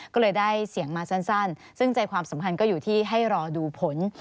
ก็เลยได้เสียงมาสั้นซึ่งใจความสำคัญก็อยู่ที่ให้รอดูผล